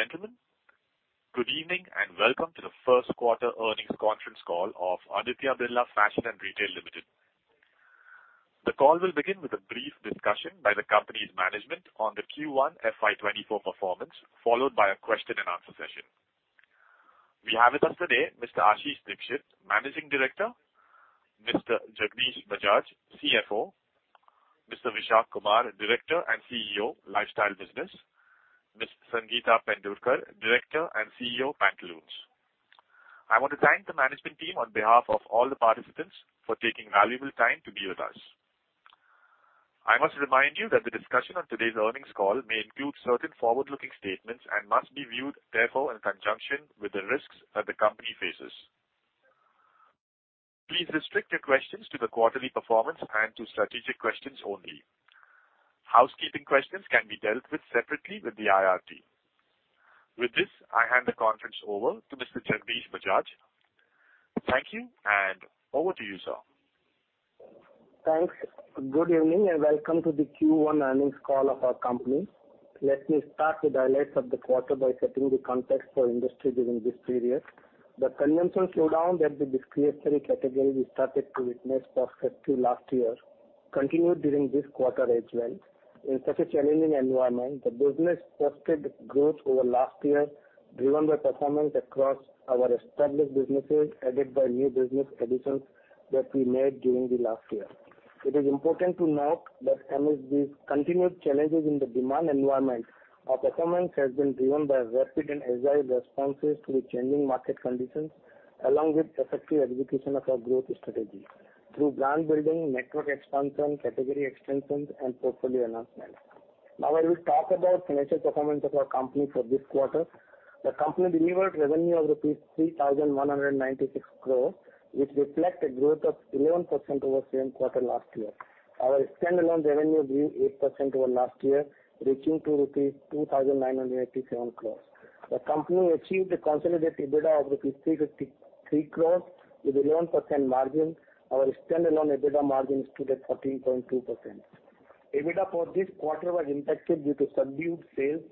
Ladies and gentlemen, good evening, welcome to the first quarter earnings conference call of Aditya Birla Fashion and Retail Limited. The call will begin with a brief discussion by the company's management on the Q1 FY 2024 performance, followed by a question and answer session. We have with us today Mr. Ashish Dikshit, Managing Director, Mr. Jagdish Bajaj, CFO, Mr. Vishak Kumar, Director and CEO, Lifestyle Business, Ms. Sangeeta Pendurkar, Director and CEO, Pantaloons. I want to thank the management team on behalf of all the participants for taking valuable time to be with us. I must remind you that the discussion on today's earnings call may include certain forward-looking statements and must be viewed, therefore, in conjunction with the risks that the company faces. Please restrict your questions to the quarterly performance and to strategic questions only. Housekeeping questions can be dealt with separately with the IR team. With this, I hand the conference over to Mr. Jagdish Bajaj. Thank you, and over to you, sir. Thanks. Good evening, welcome to the Q1 earnings call of our company. Let me start with the highlights of the quarter by setting the context for industry during this period. The consumption slowdown that the discretionary category we started to witness for festive last year continued during this quarter as well. In such a challenging environment, the business posted growth over last year, driven by performance across our established businesses, aided by new business additions that we made during the last year. It is important to note that amidst these continued challenges in the demand environment, our performance has been driven by rapid and agile responses to the changing market conditions, along with effective execution of our growth strategy through brand building, network expansion, category extensions, and portfolio enhancements. Now, I will talk about financial performance of our company for this quarter. The company delivered revenue of rupees 3,196 crore, which reflect a growth of 11% over same quarter last year. Our standalone revenue grew 8% over last year, reaching to rupees 2,987 crore. The company achieved a consolidated EBITDA of rupees 353 crore with 11% margin. Our standalone EBITDA margin stood at 14.2%. EBITDA for this quarter was impacted due to subdued sales,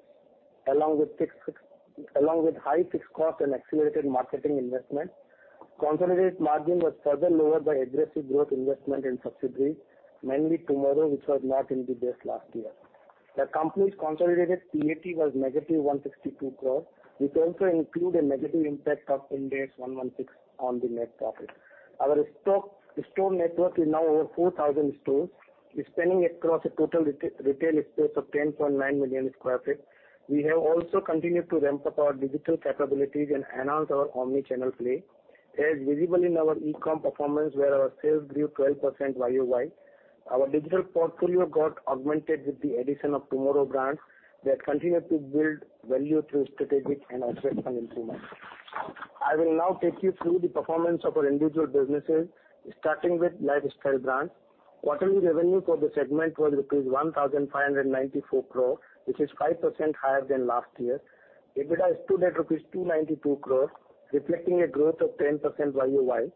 along with high fixed costs and accelerated marketing investment. Consolidated margin was further lowered by aggressive growth investment in subsidiaries, mainly TMRW, which was not in the base last year. The company's consolidated PAT was negative 162 crore, which also include a negative impact of Ind AS 116 on the net profit. Our store network is now over 4,000 stores, expanding across a total retail space of 10.9 million sq ft. We have also continued to ramp up our digital capabilities and enhance our omni-channel play, as visible in our e-com performance, where our sales grew 12% YOY. Our digital portfolio got augmented with the addition of TMRW brand that continued to build value through strategic and operational improvements. I will now take you through the performance of our individual businesses, starting with Lifestyle Brands. Quarterly revenue for the segment was rupees 1,594 crore, which is 5% higher than last year. EBITDA stood at rupees 292 crore, reflecting a growth of 10% YoY.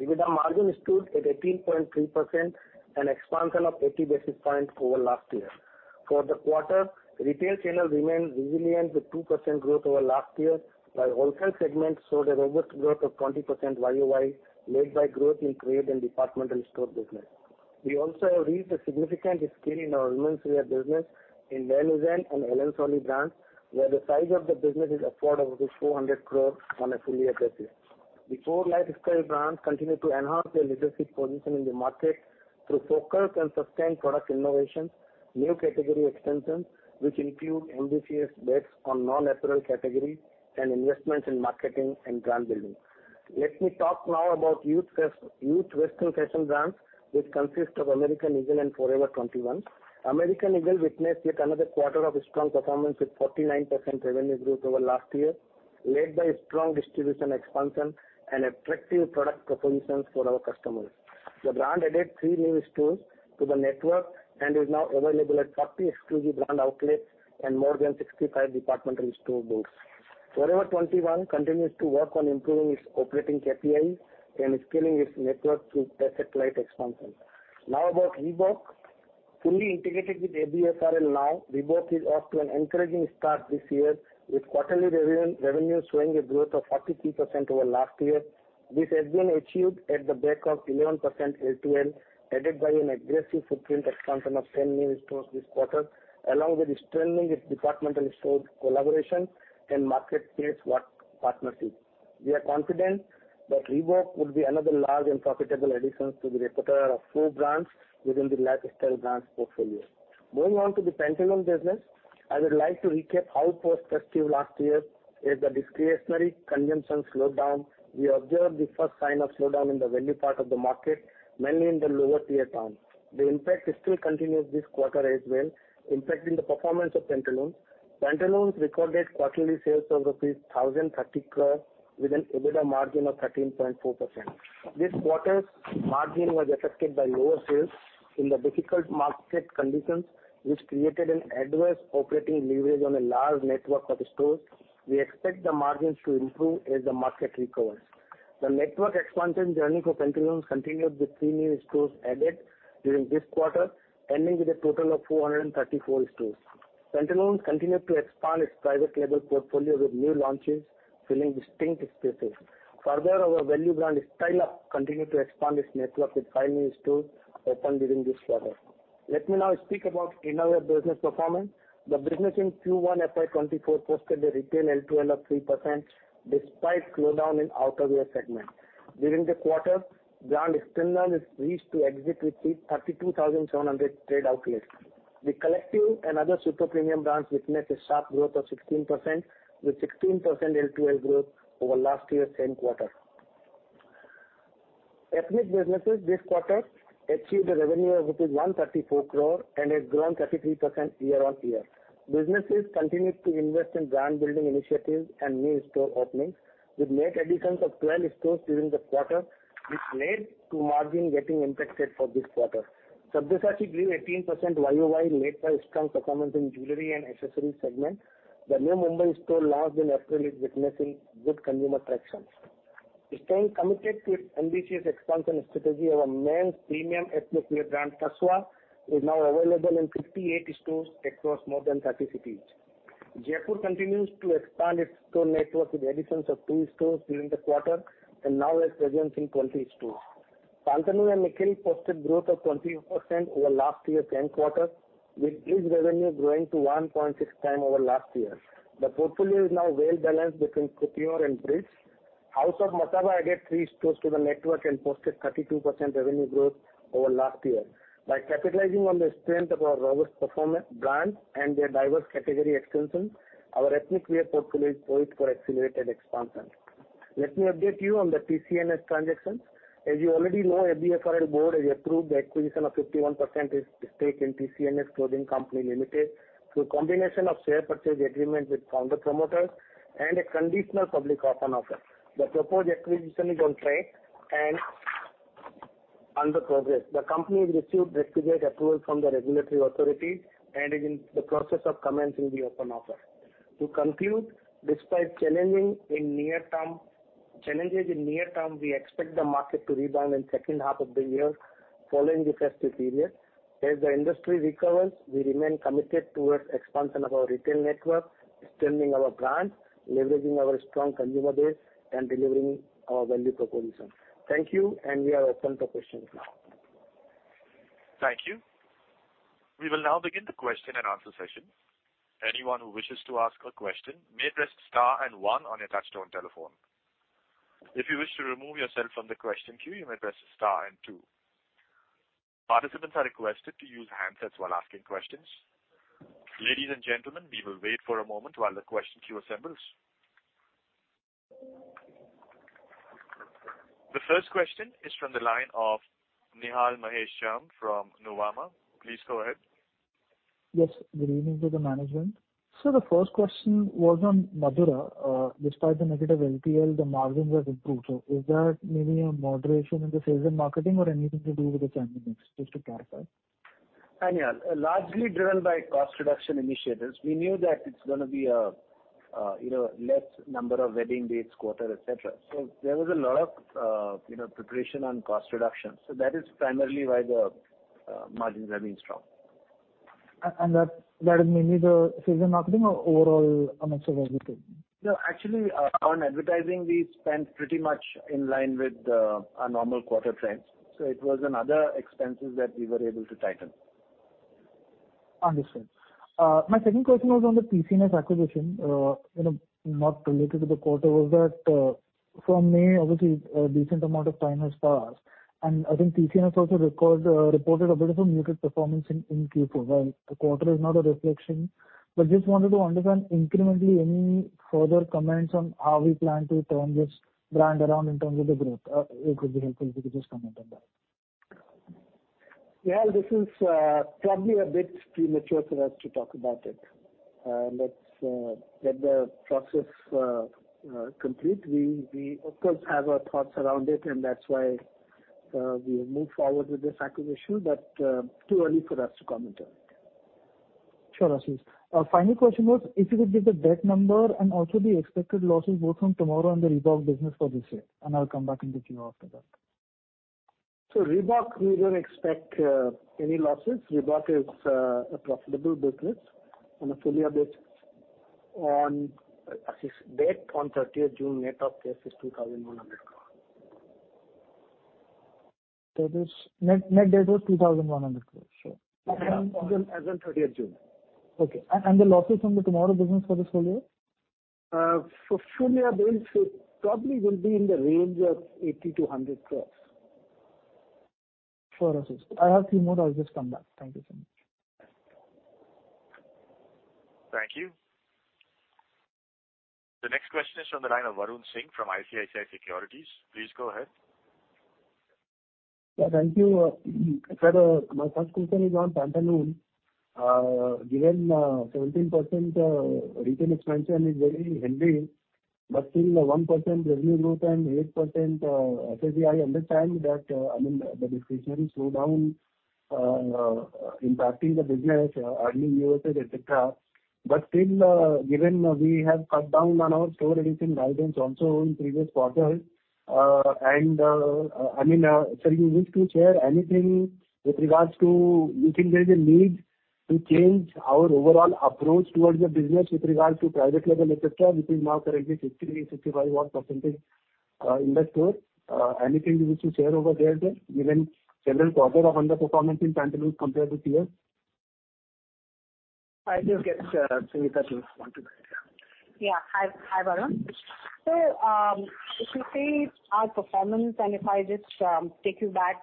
EBITDA margin stood at 18.3%, an expansion of 80 bps over last year. For the quarter, retail channel remained resilient with 2% growth over last year, while wholesale segment showed a robust growth of 20% YOY, led by growth in creative and departmental store business. We also have reached a significant scale in our women's wear business in LP and Allen Solly brands, where the size of the business is approx 400 crore on a full year basis. The four lifestyle brands continue to enhance their leadership position in the market through focused and sustained product innovations, new category extensions, which include MBCS bets on non-natural categories and investments in marketing and brand building. Let me talk now about Youth Western Fashion brands, which consist of American Eagle and Forever 21. American Eagle witnessed yet another quarter of strong performance, with 49% revenue growth over last year, led by strong distribution expansion and attractive product propositions for our customers. The brand added three new stores to the network and is now available at 40 exclusive brand outlets and more than 65 departmental store booths. Forever 21 continues to work on improving its operating KPIs and scaling its network through asset-light expansion. About Reebok. Fully integrated with ABFRL now, Reebok is off to an encouraging start this year, with quarterly revenue, revenue showing a growth of 43% over last year. This has been achieved at the back of 11% LFL, aided by an aggressive footprint expansion of 10 new stores this quarter, along with strengthening its departmental store collaboration and marketplace work partnerships. We are confident that Reebok would be another large and profitable addition to the repertoire of 4 brands within the lifestyle brands portfolio. Going on to the Pantaloons business, I would like to recap how post-festive last year as the discretionary consumption slowed down, we observed the first sign of slowdown in the value part of the market, mainly in the lower tier towns. The impact still continues this quarter as well, impacting the performance of Pantaloons. Pantaloons recorded quarterly sales of rupees 1,030 crore with an EBITDA margin of 13.4%. This quarter's margin was affected by lower sales in the difficult market conditions, which created an adverse operating leverage on a large network of stores. We expect the margins to improve as the market recovers. The network expansion journey for Pantaloons continued with 3 new stores added during this quarter, ending with a total of 434 stores. Pantaloons continued to expand its private label portfolio with new launches, filling distinct spaces. Further, our value brand, Style Up, continued to expand its network, with 5 new stores opened during this quarter. Let me now speak about innerwear business performance. The business in Q1 FY 2024 posted a retail LTL of 3%, despite slowdown in outerwear segment. During the quarter, brand Skinner reached to exit with 32,700 trade outlets. The Collective and other super premium brands witnessed a sharp growth of 16%, with 16% LTL growth over last year's same quarter. Ethnic businesses this quarter achieved a revenue of rupees 134 crore, and it grown 33% year-on-year. Businesses continued to invest in brand building initiatives and new store openings, with net additions of 12 stores during the quarter, which led to margin getting impacted for this quarter. Sabyasachi grew 18% YOY, led by strong performance in jewelry and accessories segment. The new Mumbai store launched in April, is witnessing good consumer traction. Staying committed to its ambitious expansion strategy, our men's premium ethnic wear brand, Tasva, is now available in 58 stores across more than 30 cities. Jaypore continues to expand its store network with additions of 2 stores during the quarter, and now has presence in 20 stores. Shantanu & Nikhil posted growth of 20% over last year's same quarter, with its revenue growing to 1.6x over last year. The portfolio is now well-balanced between couture and bridge. House of Masaba added 3 stores to the network and posted 32% revenue growth over last year. By capitalizing on the strength of our robust performance brand and their diverse category expansion, our ethnic wear portfolio is poised for accelerated expansion. Let me update you on the TCNS transaction. As you already know, ABFRL board has approved the acquisition of 51% stake in TCNS Clothing Co. Limited, through combination of share purchase agreement with founder promoters and a conditional public open offer. The proposed acquisition is on track and under progress. The company has received requisite approval from the regulatory authorities and is in the process of commencing the open offer. To conclude, despite challenges in near term, we expect the market to rebound in second half of the year following the festive period. As the industry recovers, we remain committed towards expansion of our retail network, extending our brands, leveraging our strong consumer base, and delivering our value proposition. Thank you. We are open for questions now. Thank you. We will now begin the question and answer session. Anyone who wishes to ask a question may press star and one on your touchtone telephone. If you wish to remove yourself from the question queue, you may press star and two. Participants are requested to use handsets while asking questions. Ladies and gentlemen, we will wait for a moment while the question queue assembles. The first question is from the line of Nihal Mahesh Jham from Nuvama. Please go ahead. Yes, good evening to the management. The first question was on Madura. Despite the negative LTL, the margins have improved. Is that maybe a moderation in the sales and marketing or anything to do with the channel mix, just to clarify? Hi, Nihal. Largely driven by cost reduction initiatives, we knew that it's gonna be a, you know, less number of wedding dates, quarter, et cetera. There was a lot of, you, preparation on cost reduction. That is primarily why the margins have been strong. That, that is mainly the sales and marketing or overall amounts of advertising? No, actually, on advertising, we spent pretty much in line with, our normal quarter trends, so it was on other expenses that we were able to tighten. Understood. My second question was on the TCNS acquisition, you know, not related to the quarter, was that, from May, obviously, a decent amount of time has passed, and I think TCNS also records, reported a bit of a muted performance in, in Q4. While the quarter is not a reflection, but just wanted to understand incrementally, any further comments on how we plan to turn this brand around in terms of the growth? It would be helpful if you could just comment on that. Nihal, this is probably a bit premature for us to talk about it. Let's get the process complete. We, we, of course, have our thoughts around it, and that's why we moved forward with this acquisition, but too early for us to comment on it. Sure, Ashish. Final question was, if you could give the debt number and also the expected losses, both from Tamara and the Reebok business for this year. I'll come back and get you after that. Reebok, we don't expect any losses. Reebok is a profitable business on a full year basis. On, Ashish, debt on thirtieth June, net of cash is 2,100 crore. Net, net debt was 2,100 crore, sure. As on thirtieth June. Okay, the losses from the TMRW business for this full year? For full year basis, it probably will be in the range of 80-100 crore. Sure, Ashish. I have a few more. I'll just come back. Thank you so much. Thank you. The next question is from the line of Varun Singh from ICICI Securities. Please go ahead. Yeah, thank you. Sir, my first question is on Pantaloons. Given 17% retail expansion is very healthy, but still a 1% revenue growth and 8% L-...I understand that, I mean, the discretionary slowdown impacting the business, earning usage, et cetera. Still, given we have cut down on our store addition guidance also in previous quarters, I mean, you wish to share anything? You think there is a need to change our overall approach towards the business with regards to private label, et cetera, which is now currently 60-65% in the store? Anything you wish to share over there, given general quarter of under performance in Pantaloons compared with year? I just get Sangeeta to respond to that. Yeah. Yeah. Hi, hi, Varun. If you see our performance, and if I just take you back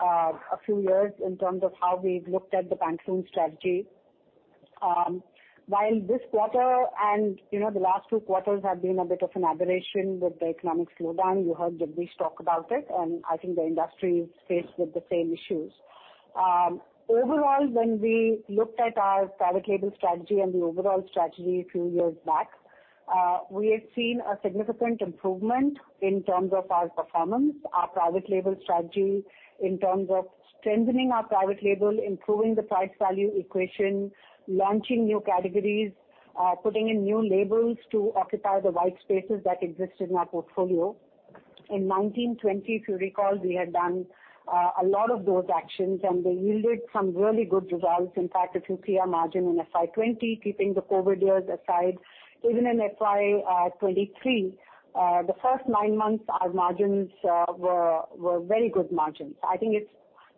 a few years in terms of how we looked at the Pantaloons strategy, while this quarter and, you know, the last two quarters have been a bit of an aberration with the economic slowdown, you heard Jagdish talk about it, and I think the industry is faced with the same issues. Overall, when we looked at our private label strategy and the overall strategy a few years back, we had seen a significant improvement in terms of our performance, our private label strategy, in terms of strengthening our private label, improving the price-value equation, launching new categories, putting in new labels to occupy the white spaces that existed in our portfolio. In 1920, if you recall, we had done a lot of those actions, and they yielded some really good results. In fact, if you see our margin in FY 20, keeping the COVID years aside, even in FY 23, the first 9 months, our margins were very good margins. I think it's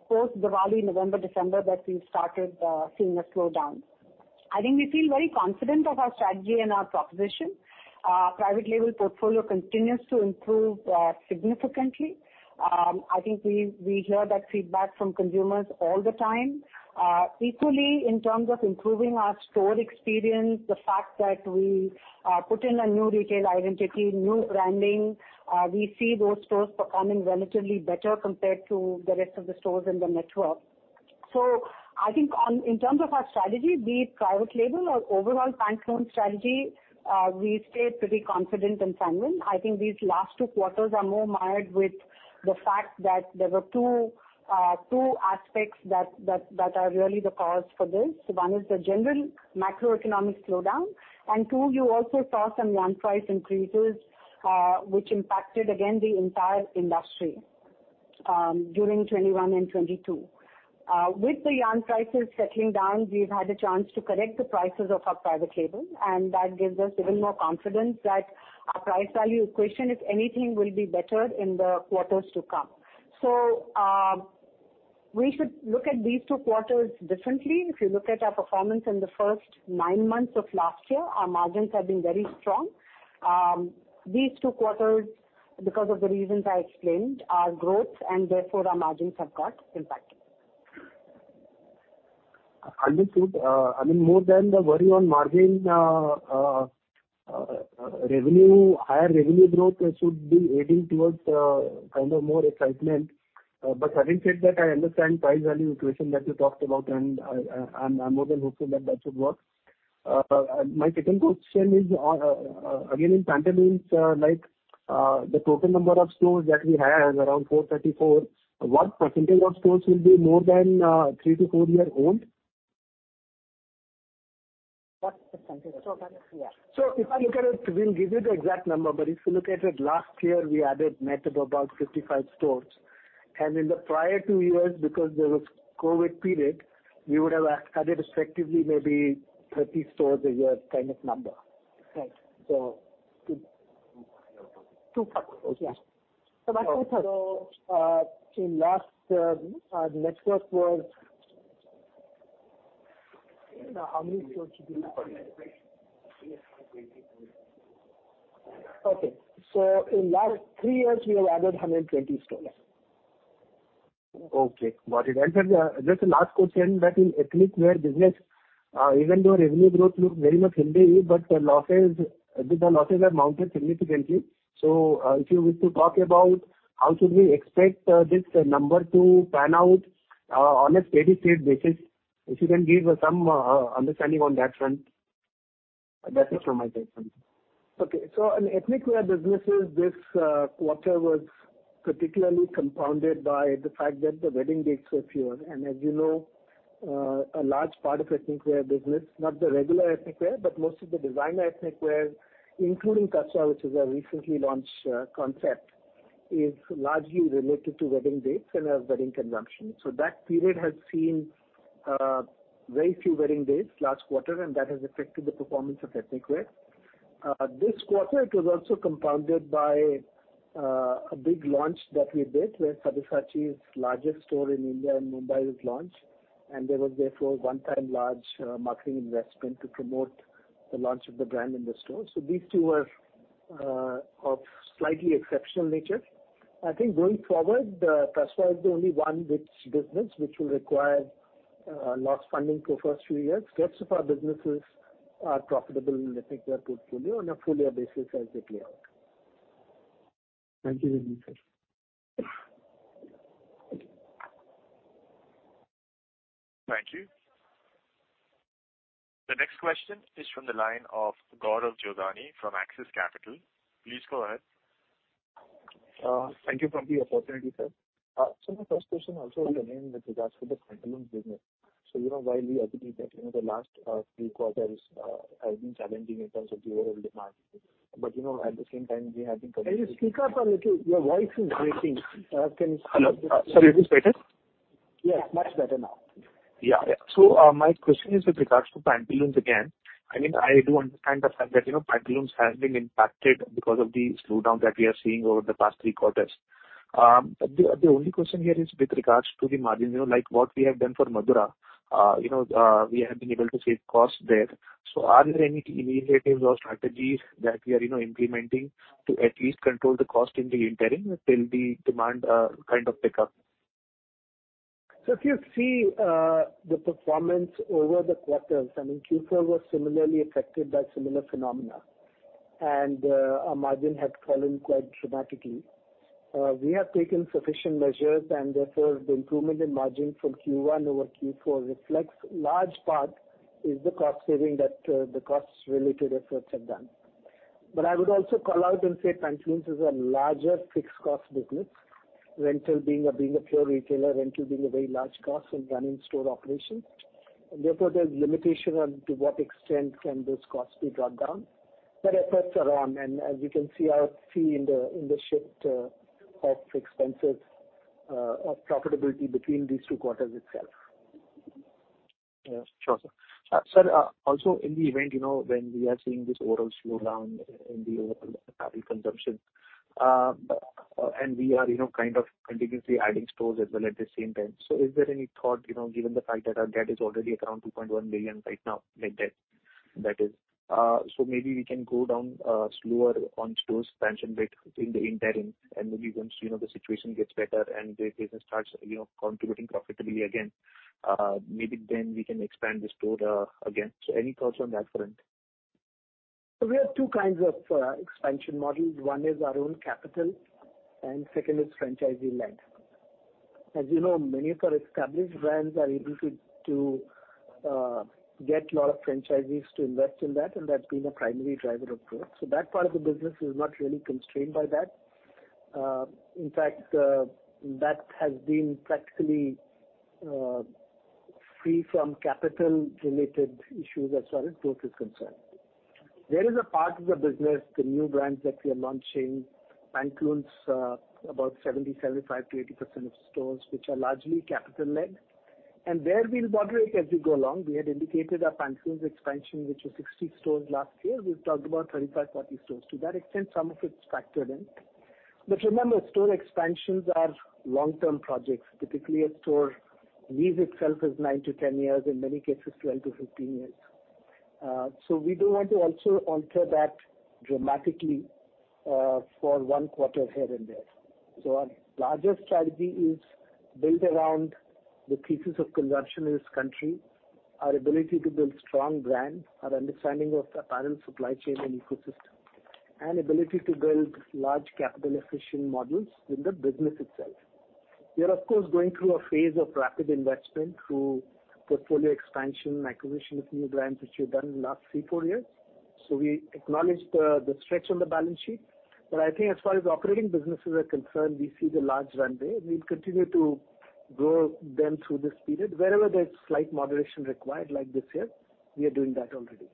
post Diwali, November, December, that we started seeing a slowdown. I think we feel very confident of our strategy and our proposition. Private label portfolio continues to improve significantly. I think we, we hear that feedback from consumers all the time. Equally, in terms of improving our store experience, the fact that we put in a new retail identity, new branding, we see those stores performing relatively better compared to the rest of the stores in the network. I think on, in terms of our strategy, be it private label or overall Pantaloons strategy, we stay pretty confident and sanguine. I think these last 2 quarters are more mired with the fact that there were 2 aspects that are really the cause for this. One is the general macroeconomic slowdown, and 2, you also saw some yarn price increases, which impacted, again, the entire industry, during 2021 and 2022. With the yarn prices settling down, we've had a chance to correct the prices of our private label, and that gives us even more confidence that our price value equation, if anything, will be better in the quarters to come. We should look at these 2 quarters differently. If you look at our performance in the first 9 months of last year, our margins have been very strong. These two quarters, because of the reasons I explained, our growth and therefore our margins have got impacted. Understood. I mean, more than the worry on margin, revenue, higher revenue growth should be leading towards kind of more excitement. Having said that, I understand price value equation that you talked about, and I, I, I'm more than hopeful that that should work. My second question is, again, in Pantaloons, like, the total number of stores that we have, around 434, what percentage of stores will be more than 3-4 year old? What percentage of... Yeah. If you look at it, we'll give you the exact number, but if you look at it, last year, we added net of about 55 stores. In the prior 2 years, because there was COVID period, we would have added respectively, maybe 30 stores a year kind of number. Right. 2... Two, okay. back to third. In last, our network was. How many stores did we open? 120 stores. Okay. In last 3 years, we have added 120 stores. Okay, got it. Just a last question about in ethnic wear business, even though revenue growth looks very much healthy, but the losses, the losses have mounted significantly. If you wish to talk about how should we expect this number to pan out on a steady-state basis, if you can give us some understanding on that front. That is from my side. In ethnic wear businesses, this quarter was particularly compounded by the fact that the wedding dates were few. As you know, a large part of ethnic wear business, not the regular ethnic wear, but most of the designer ethnic wear, including Tasva, which is a recently launched concept, is largely related to wedding dates and wedding consumption. That period has seen very few wedding dates last quarter, and that has affected the performance of ethnic wear. This quarter, it was also compounded by a big launch that we did, where Sabyasachi's largest store in India and Mumbai was launched, and there was therefore a one-time large marketing investment to promote the launch of the brand in the store. These 2 were of slightly exceptional nature. I think going forward, Tasva is the only one which business which will require large funding for first few years. Rest of our businesses are profitable in ethnic wear portfolio on a full year basis as they play out. Thank you, Jagdish Sir. Thank you. The next question is from the line of Gaurav Jogani from Axis Capital. Please go ahead. Thank you for the opportunity, sir. My first question also remains with regards to the Pantaloons business. You know, while we agree that, you know, the last three quarters have been challenging in terms of the overall demand, but, you know, at the same time, we have been- Can you speak up a little? Your voice is breaking. Hello. Sorry, is this better? Yes, much better now. My question is with regards to Pantaloons again. I mean, I do understand the fact that, you know, Pantaloons has been impacted because of the slowdown that we are seeing over the past 3 quarters. The only question here is with regards to the margin, you know, like what we have done for Madura. You know, we have been able to save costs there. Are there any initiatives or strategies that we are, you know, implementing to at least control the cost in the interim until the demand kind of pick up? If you see the performance over the quarters, Q4 was similarly affected by similar phenomena, our margin had fallen quite dramatically. We have taken sufficient measures, therefore, the improvement in margin from Q1 over Q4 reflects large part is the cost saving that the costs related efforts have done. I would also call out and say Pantaloons is a larger fixed cost business, rental being a pure retailer, rental being a very large cost in running store operations. Therefore, there's limitation on to what extent can this cost be dropped down. Efforts are on, as you can see, see in the, in the shift of expenses, of profitability between these two quarters itself. Yes, sure, sir. Sir, also in the event, you know, when we are seeing this overall slowdown in the overall apparel consumption, and we are, you know, kind of continuously adding stores as well at the same time. Is there any thought, you know, given the fact that our debt is already around 2.1 million right now, net debt that is, so maybe we can go down, slower on store expansion bit in the interim, and maybe once, you know, the situation gets better and the business starts, you know, contributing profitably again, maybe then we can expand the store, again. Any thoughts on that front? We have 2 kinds of expansion models. One is our own capital, and second is franchisee-led. As you know, many of our established brands are able to get a lot of franchisees to invest in that, and that's been a primary driver of growth. In fact, that has been practically free from capital-related issues as far as growth is concerned. There is a part of the business, the new brands that we are launching, Pantaloons, about 70, 75% to 80% of stores, which are largely capital-led, and there we'll moderate as we go along. We had indicated our Pantaloons expansion, which was 60 stores last year. We've talked about 35, 40 stores. To that extent, some of it's factored in. Remember, store expansions are long-term projects. Typically, a store lives itself as 9 to 10 years, in many cases, 12 to 15 years. We don't want to also alter that dramatically for 1 quarter here and there. Our larger strategy is built around the pieces of consumption in this country, our ability to build strong brand, our understanding of the apparel supply chain and ecosystem, and ability to build large capital-efficient models in the business itself. We are, of course, going through a phase of rapid investment through portfolio expansion, acquisition of new brands, which we've done in the last 3, 4 years. We acknowledge the, the stretch on the balance sheet, but I think as far as operating businesses are concerned, we see the large runway. We'll continue to grow them through this period. Wherever there's slight moderation required, like this year, we are doing that already.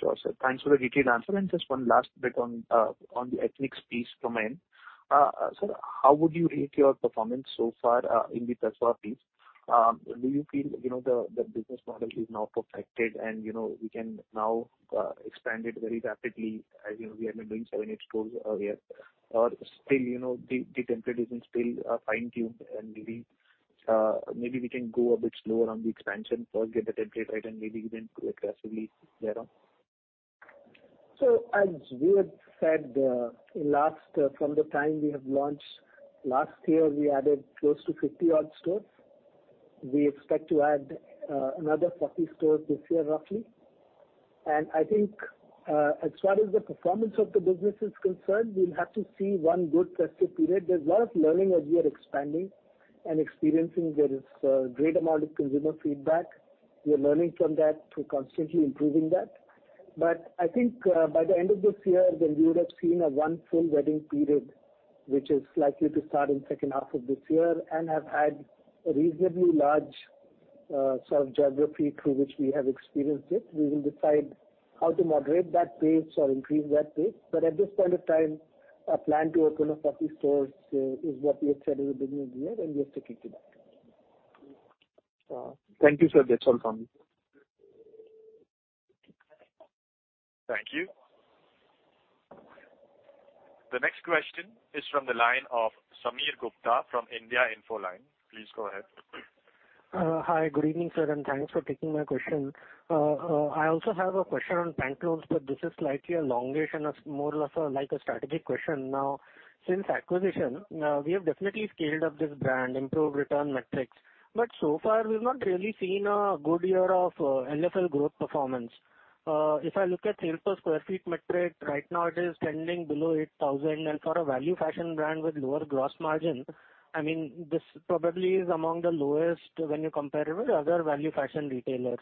Sure, sir. Thanks for the detailed answer. Just one last bit on on the ethnics piece from end. Sir, how would you rate your performance so far in the Tasva piece? Do you feel, you know, the, the business model is now perfected and, you know, we can now expand it very rapidly as you know, we have been doing seven, eight stores a year? Or still, you know, the, the template isn't still fine-tuned, and maybe maybe we can go a bit slower on the expansion, first get the template right, and maybe we can go aggressively thereafter. As we had said, in last, from the time we have launched, last year, we added close to 50 odd stores. We expect to add another 40 stores this year, roughly. I think, as far as the performance of the business is concerned, we'll have to see one good festive period. There's a lot of learning as we are expanding and experiencing. There is a great amount of consumer feedback. We are learning from that to constantly improving that. I think, by the end of this year, when we would have seen a one full wedding period, which is likely to start in second half of this year, and have had a reasonably large sort of geography through which we have experienced it, we will decide how to moderate that pace or increase that pace. At this point of time, our plan to open up 40 stores is what we had said in the beginning of the year, and we are sticking to that. Thank you, sir. That's all from me. Thank you. The next question is from the line of Sameer Gupta from India Infoline. Please go ahead. Hi, good evening, sir, and thanks for taking my question. I also have a question on Pantaloons, this is slightly a longish and it's more or less a, like a strategic question. Now, since acquisition, we have definitely scaled up this brand, improved return metrics, so far, we've not really seen a good year of LFL growth performance. If I look at sales per sq ft metric, right now it is trending below 8,000, and for a value fashion brand with lower gross margin, I mean, this probably is among the lowest when you compare with other value fashion retailers.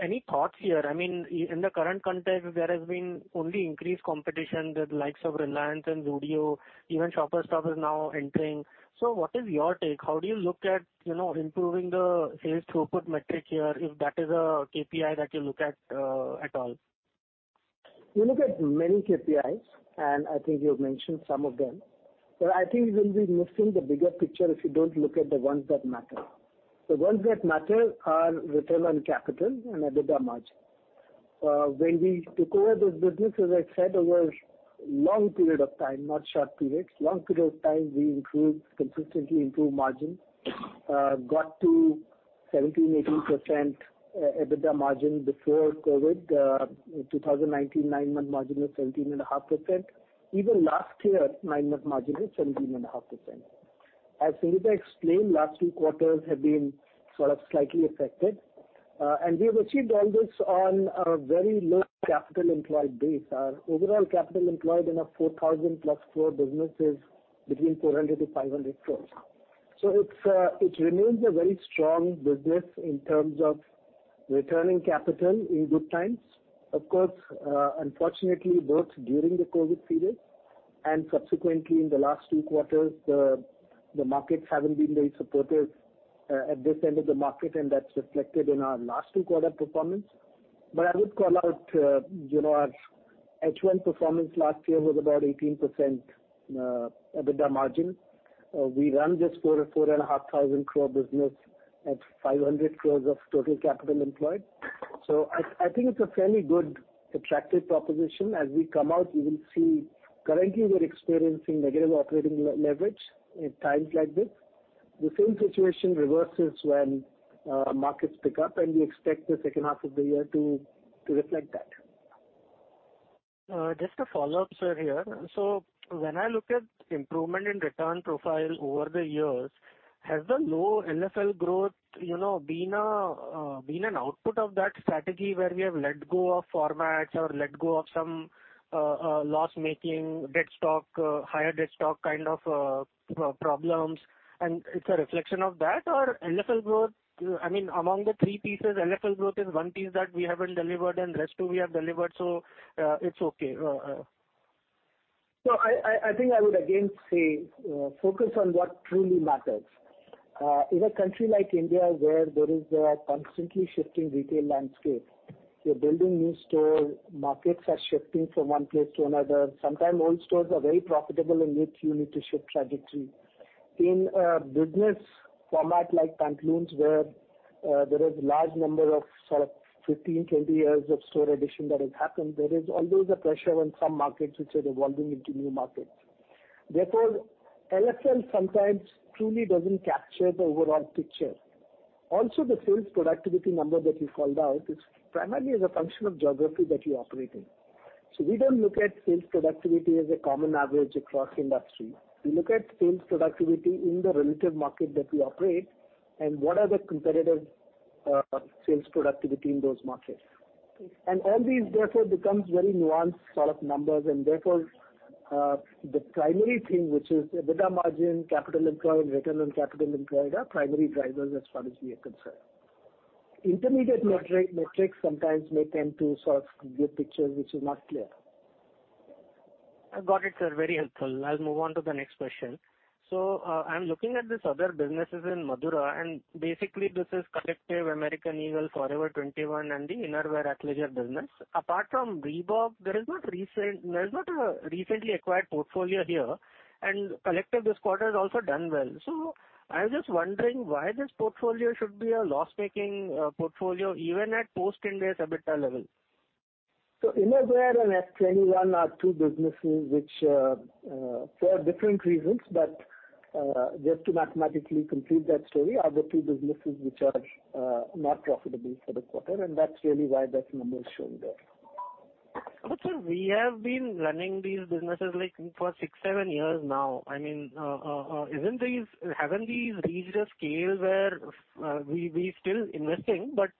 Any thoughts here? I mean, in the current context, there has been only increased competition with likes of Reliance and Zudio, even Shoppers Stop is now entering. What is your take? How do you look at, you know, improving the sales throughput metric here, if that is a KPI that you look at, at all? We look at many KPIs. I think you've mentioned some of them. I think you will be missing the bigger picture if you don't look at the ones that matter. The ones that matter are return on capital and EBITDA margin. When we took over this business, as I said, over long period of time, not short periods, long period of time, we improved, consistently improved margin, got to 17%-18% EBITDA margin before COVID. In 2019, 9-month margin was 17.5%. Even last year, 9-month margin was 17.5%. As Sunita explained, last 2 quarters have been sort of slightly affected. We have achieved all this on a very low capital employed base. Our overall capital employed in our 4,000+ core business is between 400 crore-500 crore. It remains a very strong business in terms of returning capital in good times. Of course, unfortunately, both during the COVID period and subsequently in the last two quarters, the markets haven't been very supportive at this end of the market, and that's reflected in our last two quarter performance. I would call out, you know, our H1 performance last year was about 18% EBITDA margin. We run this for a 4,500 crore business at 500 crores of total capital employed. I think it's a fairly good attractive proposition. As we come out, you will see currently we're experiencing negative operating leverage in times like this. The same situation reverses when markets pick up, and we expect the second half of the year to reflect that. Just a follow-up, sir, here. When I look at improvement in return profile over the years, has the low LFL growth, you know, been an output of that strategy where we have let go of formats or let go of some loss-making, dead stock, higher dead stock kind of problems? It's a reflection of that, or LFL growth, I mean, among the three pieces, LFL growth is one piece that we haven't delivered, and rest two we have delivered, so it's okay. No, I, I, I think I would again say, focus on what truly matters. In a country like India, where there is a constantly shifting retail landscape, you're building new stores, markets are shifting from one place to another. Sometimes old stores are very profitable, and yet you need to shift trajectory. In a business format like Pantaloons, where there is large number of sort of 15, 20 years of store addition that has happened, there is always a pressure on some markets which are evolving into new markets. Therefore, LFL sometimes truly doesn't capture the overall picture. Also, the sales productivity number that you called out is primarily as a function of geography that you operate in. We don't look at sales productivity as a common average across industry. We look at sales productivity in the relative market that we operate and what are the competitive, sales productivity in those markets. All these therefore becomes very nuanced sort of numbers, and therefore, the primary thing, which is EBITDA margin, capital employed, return on capital employed, are primary drivers as far as we are concerned. Intermediate metric, metrics sometimes may tend to sort of give picture which is not clear. I got it, sir. Very helpful. I'll move on to the next question. I'm looking at this other businesses in Madura, and basically, this is Collective, American Eagle, Forever 21, and the Innerwear Athleisure business. Apart from Reebok, there is not a recently acquired portfolio here, and Collective this quarter has also done well. I was just wondering why this portfolio should be a loss-making portfolio, even at post-industry EBITDA level? Innerwear and Forever 21 are two businesses which, for different reasons, just to mathematically conclude that story, are the two businesses which are not profitable for the quarter, and that's really why that number is shown there. Sir, we have been running these businesses, like, for six, seven years now. I mean, haven't these reached a scale where, we, we still investing, but,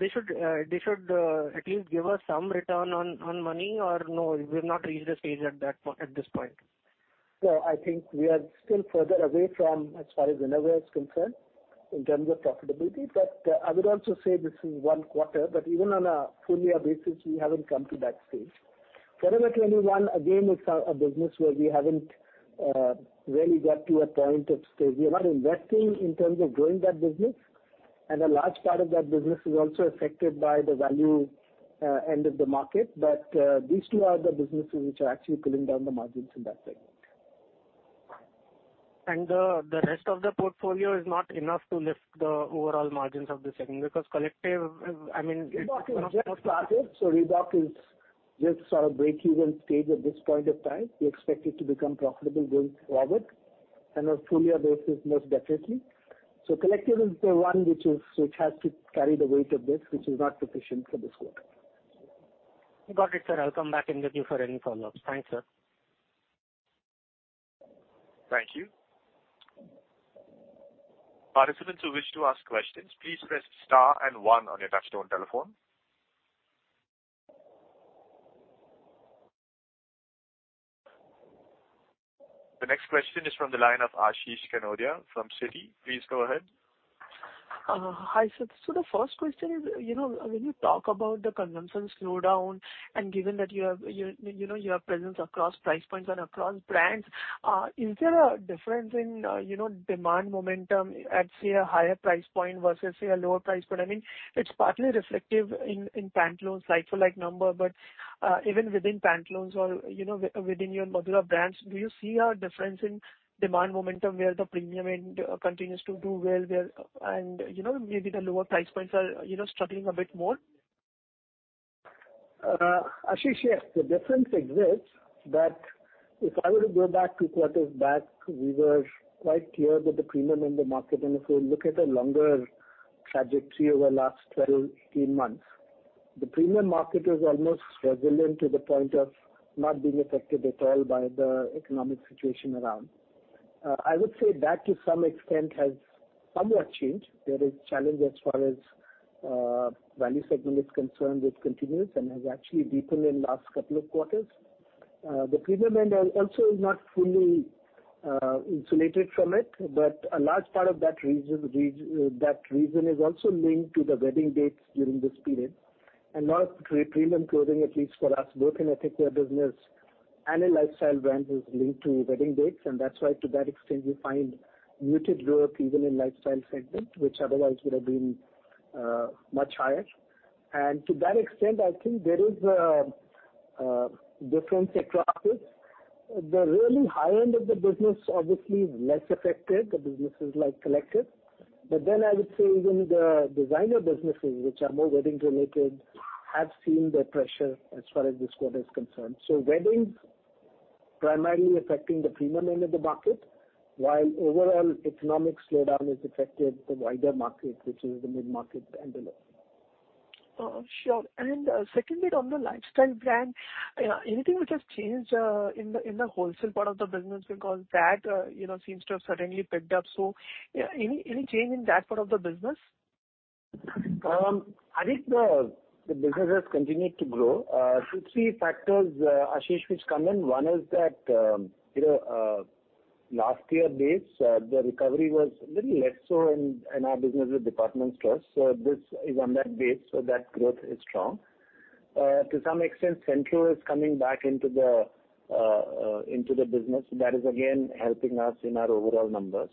they should, they should, at least give us some return on, on money, or no, we've not reached a stage at this point? I think we are still further away from, as far as Innerwear is concerned, in terms of profitability. I would also say this is one quarter, but even on a full year basis, we haven't come to that stage. Forever 21, again, is a business where we haven't really got to a point of stage. We are not investing in terms of growing that business, and a large part of that business is also affected by the value end of the market. These two are the businesses which are actually pulling down the margins in that segment. The rest of the portfolio is not enough to lift the overall margins of the segment, because Collective, I mean. Reebok has just started, so Reebok is just sort of breakeven stage at this point of time. We expect it to become profitable going forward, and on a full year basis, most definitely. Collective is the one which has to carry the weight of this, which is not sufficient for this quarter. Got it, sir. I'll come back in with you for any follow-ups. Thanks, sir. Thank you. Participants who wish to ask questions, please press star and one on your touchtone telephone. The next question is from the line of Ashish Kanodia from Citi. Please go ahead. Hi, sir. The first question is, when you talk about the consumption slowdown, and given that you have presence across price points and across brands, is there a difference in demand momentum at, say, a higher price point versus, say, a lower price point? I mean, it's partly reflective in, in Pantaloons, like-for-like number. Even within Pantaloons or within your Madura brands, do you see a difference in demand momentum, where the premium end continues to do well, and maybe the lower price points are struggling a bit more? Ashish, yes, the difference exists, but if I were to go back 2 quarters back, we were quite clear that the premium in the market, and if we look at a longer trajectory over the last 12, 18 months, the premium market was almost resilient to the point of not being affected at all by the economic situation around. I would say that, to some extent, has somewhat changed. There is challenge as far as value segment is concerned, which continues and has actually deepened in last couple of quarters. The premium end are also not fully insulated from it, but a large part of that reason, that reason is also linked to the wedding dates during this period. Lot of premium clothing, at least for us, both in ethnic business and in lifestyle brand, is linked to wedding dates, and that's why, to that extent, you find muted growth even in lifestyle segment, which otherwise would have been much higher. To that extent, I think there is a difference across it. The really high end of the business, obviously, is less affected, the businesses like The Collective. I would say even the designer businesses, which are more wedding-related, have seen the pressure as far as this quarter is concerned. Weddings primarily affecting the premium end of the market, while overall economic slowdown has affected the wider market, which is the mid-market and below. Sure. Secondly, on the lifestyle brand, anything which has changed in the, in the wholesale part of the business? That, you know, seems to have certainly picked up, so, yeah, any, any change in that part of the business? I think the business has continued to grow. Two, three factors, Ashish, which come in. One is that, you know, last year base, the recovery was a little less so in our business with department stores, so this is on that base, so that growth is strong. To some extent, Central is coming back into the business. That is, again, helping us in our overall numbers.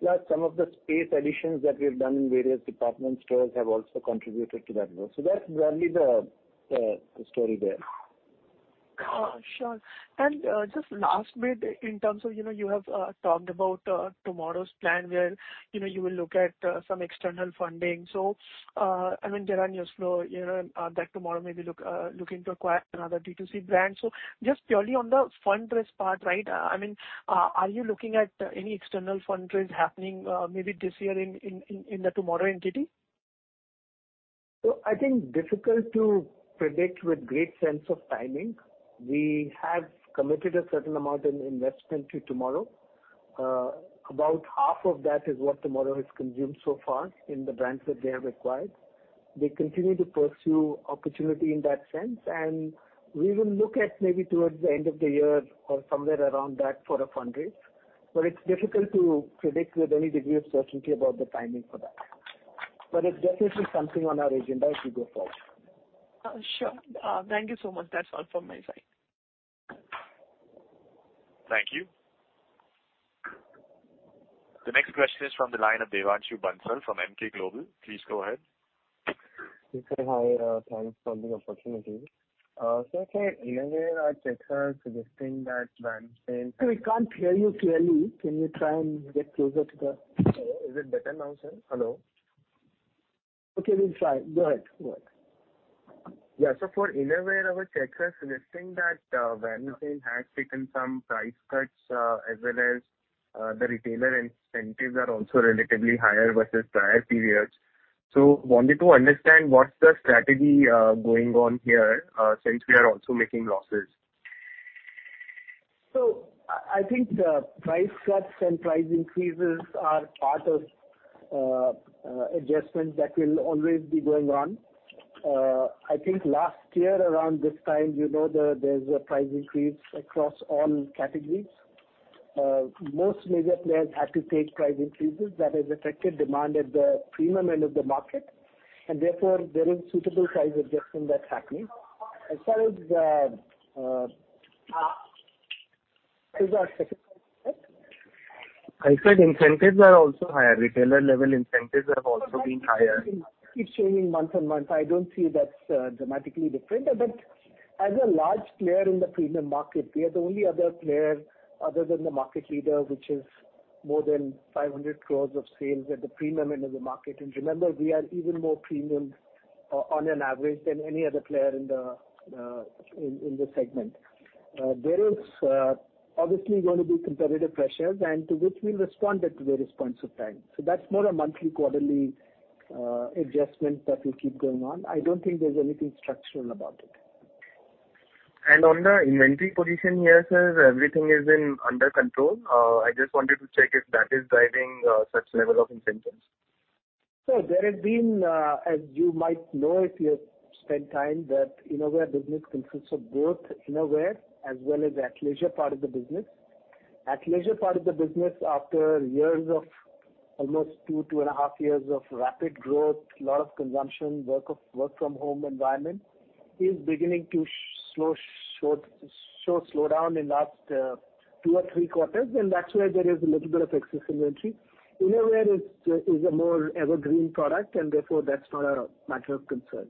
Plus, some of the space additions that we've done in various department stores have also contributed to that growth. That's broadly the story there. Sure. Just last bit, in terms of, you know, you have, talked about, TMRW's plan, where, you know, you will look at, some external funding. I mean, there are news flow, you know, that TMRW maybe look, looking to acquire another D2C brand. Just purely on the fundraise part, right? I mean, are you looking at any external fundraise happening, maybe this year in, in, in, in the TMRW entity? I think difficult to predict with great sense of timing. We have committed a certain amount in investment to TMRW. About half of that is what TMRW has consumed so far in the brands that they have acquired. They continue to pursue opportunity in that sense, and we will look at maybe towards the end of the year or somewhere around that for a fundraise. It's difficult to predict with any degree of certainty about the timing for that. It's definitely something on our agenda as we go forward. Sure. Thank you so much. That's all from my side. Thank you. The next question is from the line of Devanshu Bansal from Emkay Global. Please go ahead. Yes, sir. Hi, thanks for the opportunity. Sir, anywhere our checks are suggesting that brand saying- Sir, we can't hear you clearly. Can you try and get closer to the... Is it better now, sir? Hello. Okay, we'll try. Go ahead, go ahead. Yeah. For Innerwear, our checks are suggesting that Van Heusen has taken some price cuts, as well as, the retailer incentives are also relatively higher versus prior periods. Wanted to understand, what's the strategy going on here, since we are also making losses? I, I think price cuts and price increases are part of adjustments that will always be going on. I think last year around this time, you know, there's a price increase across all categories. Most major players had to take price increases that has affected demand at the premium end of the market, and therefore, there is suitable price adjustment that's happening. As far as the... Is that second part correct? I said incentives are also higher. Retailer-level incentives have also been higher. It's changing month-on-month. I don't see that's dramatically different. As a large player in the premium market, we are the only other player, other than the market leader, which is more than 500 crore of sales at the premium end of the market. Remember, we are even more premium on an average than any other player in the in this segment. There is obviously going to be competitive pressures, and to which we responded to various points of time. That's more a monthly, quarterly adjustment that will keep going on. I don't think there's anything structural about it. ...On the inventory position here, sir, everything is in under control. I just wanted to check if that is driving such level of incentives. There has been, as you might know, if you've spent time, that Innerwear business consists of both Innerwear as well as athleisure part of the business. Athleisure part of the business, after years of almost 2, 2 and a half years of rapid growth, lot of consumption, work from home environment, is beginning to slow, show, show slowdown in last 2 or 3 quarters. That's why there is a little bit of excess inventory. Innerwear is, is a more evergreen product, and therefore, that's not a matter of concern.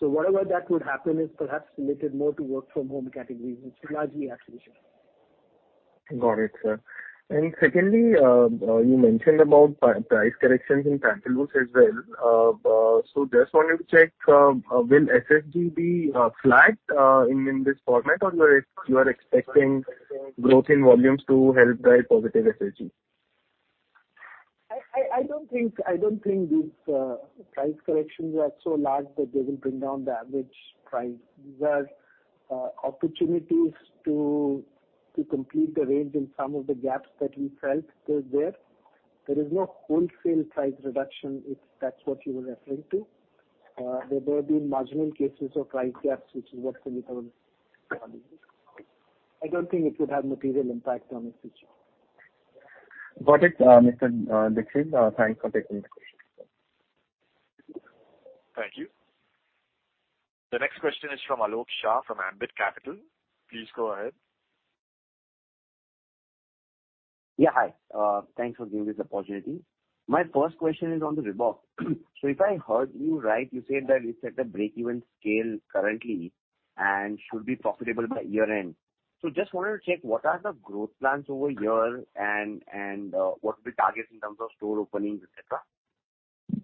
Whatever that would happen is perhaps related more to work from home categories, which is largely athleisure. Got it, sir. Secondly, you mentioned about price corrections in Pantaloons as well. Just wanted to check, will SSG be flat in this format, or you are expecting growth in volumes to help drive positive SSG? I don't think, I don't think these price corrections are so large that they will bring down the average price. These are opportunities to, to complete the range in some of the gaps that we felt were there. There is no wholesale price reduction, if that's what you were referring to. There may be marginal cases of price gaps, which is what we have. I don't think it would have material impact on SSG. Got it, Mr. Dikshit. Thanks for taking the question. Thank you. The next question is from Alok Shah, from Ambit Capital. Please go ahead. Yeah, hi. Thanks for giving me this opportunity. My first question is on the Reebok. If I heard you right, you said that it's at the break-even scale currently and should be profitable by year-end. Just wanted to check, what are the growth plans over here, and, and, what are the targets in terms of store openings, et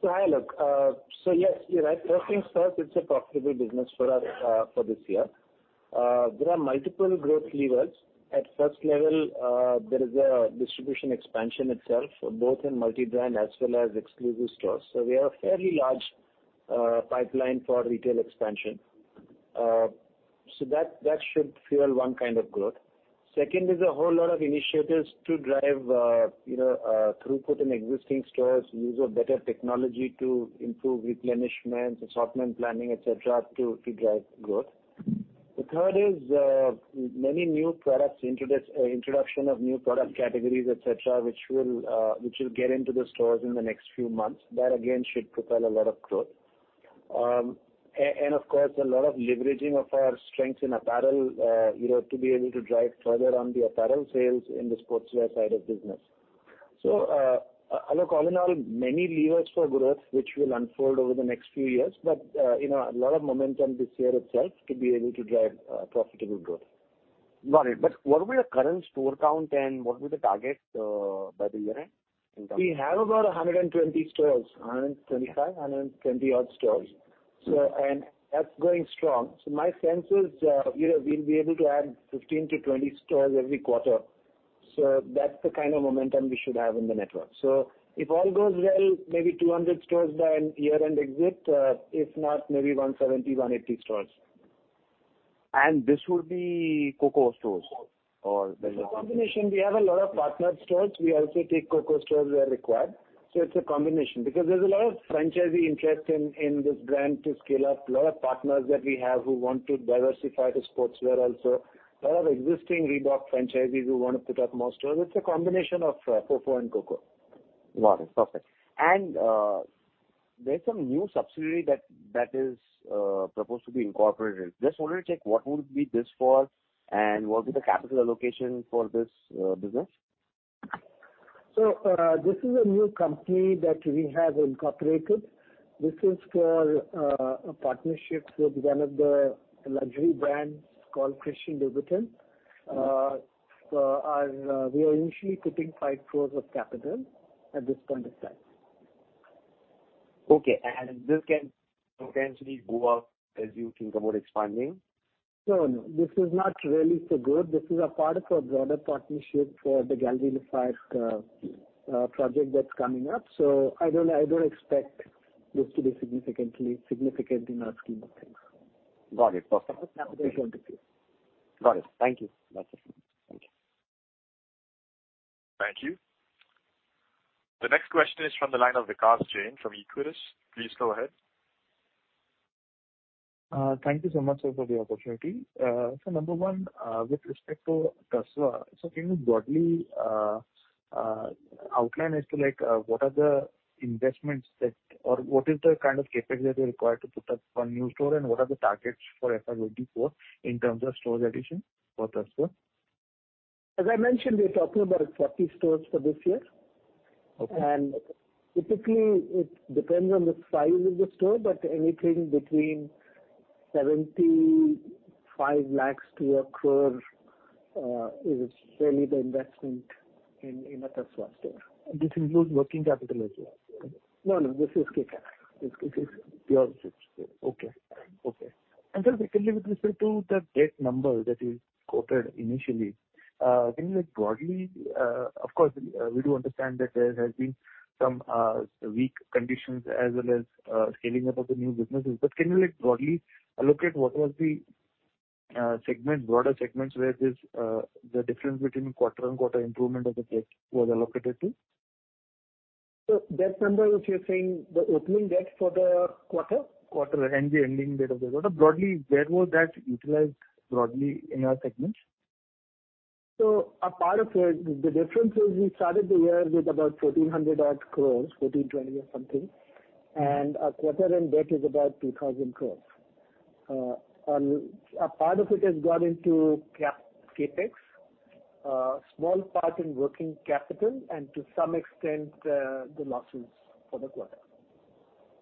cetera? Hi, Alok. Yes, you're right. First things first, it's a profitable business for us for this year. There are multiple growth levers. At first level, there is a distribution expansion itself, both in multi-brand as well as exclusive stores. We have a fairly large pipeline for retail expansion. That, that should fuel one kind of growth. Second is a whole lot of initiatives to drive, you know, throughput in existing stores, use of better technology to improve replenishment, assortment planning, et cetera, to drive growth. The third is many new products introduction of new product categories, et cetera, which will get into the stores in the next few months. That, again, should propel a lot of growth. And, of course, a lot of leveraging of our strength in apparel, you know, to be able to drive further on the apparel sales in the sportswear side of business. Alok, all in all, many levers for growth, which will unfold over the next few years, but, you know, a lot of momentum this year itself to be able to drive profitable growth. Got it. What will be the current store count and what will be the target, by the year-end in terms of- We have about 120 stores, 125, 120-odd stores. That's going strong. My sense is, you know, we'll be able to add 15 to 20 stores every quarter. That's the kind of momentum we should have in the network. If all goes well, maybe 200 stores by year-end exit, if not, maybe 170, 180 stores. This would be CoCo stores or there's a combination? Combination. We have a lot of partner stores. We also take CoCo stores where required. It's a combination. There's a lot of franchisee interest in, in this brand to scale up, a lot of partners that we have who want to diversify to sportswear also. There are existing Reebok franchisees who want to put up more stores. It's a combination of FoFo and CoCo. Got it. Perfect. There's some new subsidiary that, that is, supposed to be incorporated. Just wanted to check what would be this for, and what is the capital allocation for this business? This is a new company that we have incorporated. This is for a partnership with one of the luxury brands called Christian Louboutin. We are initially putting 5 crore of capital at this point in time. Okay, this can potentially go up as you think about expanding? No, no, this is not really so good. This is a part of a broader partnership for the Galleria 5 project that's coming up. I don't, I don't expect this to be significantly, significant in our scheme of things. Got it. Perfect. Now, we're going to see. Got it. Thank you. That's it. Thank you. Thank you. The next question is from the line of Vikas Jain from Equirus. Please go ahead. Thank you so much, sir, for the opportunity. So number one, with respect to Tasva, can you broadly outline as to like, what are the investments that... or what is the kind of capacity required to put up one new store, and what are the targets for FY 2024 in terms of stores addition for Tasva? As I mentioned, we're talking about 40 stores for this year. Okay. Typically, it depends on the size of the store, but anything between 75 lakh to 1 crore is fairly the investment in, in a Tasva store. This includes working capital as well? No, no, this is CapEx. This is pure fixed. Okay. Okay. sir, secondly, with respect to the debt number that you quoted initially, can you, like, broadly... of course, we do understand that there has been some weak conditions as well as scaling up of the new businesses, but can you, like, broadly allocate what was the segment, broader segments where this, the difference between quarter-over-quarter improvement of the debt was allocated to? That number, if you're saying the opening debt for the quarter? Quarter and the ending date of the quarter. Broadly, where was that utilized broadly in our segments? A part of it, the difference is we started the year with about 1,400 odd crore, 1,420 crore or something, and our quarter-end debt is about 2,000 crore. A part of it has gone into CapEx, small part in working capital, and to some extent, the losses for the quarter.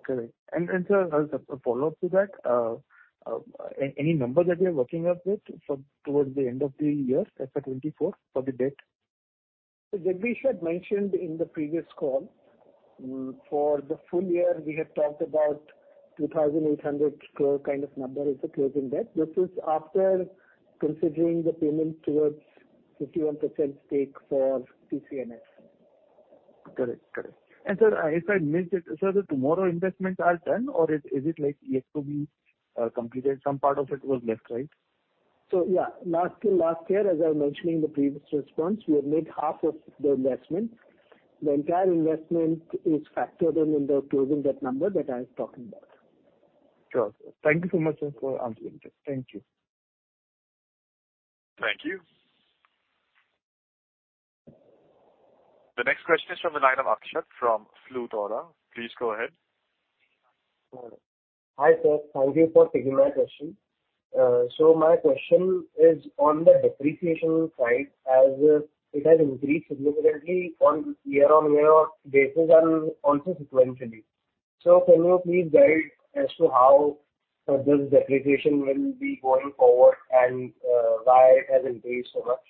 Correct. And sir, as a follow-up to that, any number that you are working with for towards the end of the year, FY 2024, for the debt? That we had mentioned in the previous call. For the full year, we had talked about 2,800 crore kind of number as the closing debt. This is after considering the payment towards 51% stake for TCNS. Correct. Correct. Sir, if I missed it, sir, the TMRW investments are done, or is, is it like yet to be completed, some part of it was left, right? Yeah, last year, last year, as I mentioned in the previous response, we have made half of the investment. The entire investment is factored in, in the closing debt number that I was talking about. Sure. Thank you so much, sir, for answering this. Thank you. Thank you. The next question is from the line of Akshat from Flutura. Please go ahead. Hi, sir. Thank you for taking my question. My question is on the depreciation side, as it has increased significantly on year-on-year basis and also sequentially. Can you please guide as to how this depreciation will be going forward and why it has increased so much?